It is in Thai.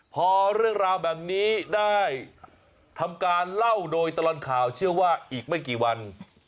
พอเรื่องราวแบบนี้ได้ทำการเล่าโดยตลอดข่าวเชื่อว่าอีกไม่กี่วัน